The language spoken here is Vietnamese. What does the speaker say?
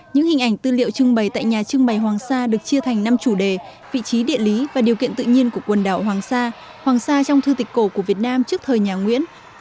những hình ảnh tư liệu trưng bày tại nhà trưng bày hoàng sa được chia thành năm chủ đề vị trí địa lý và điều kiện tự nhiên của quần đảo hoàng sa hoàng sa trong thư tịch cổ của việt nam trước thời nhà nguyễn